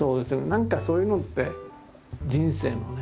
何かそういうのって人生のね。